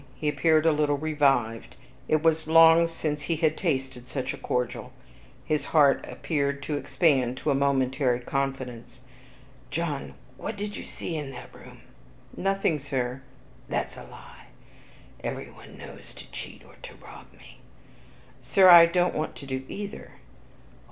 He appeared a little revived; it was long since he had tasted such a cordial, his heart appeared to expand to a momentary confidence. "John, what did you see in that room?" "Nothing, Sir." "That's a lie; everyone wants to cheat or to rob me." "Sir, I don't want to do either."